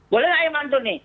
boleh nggak ayah mantun nih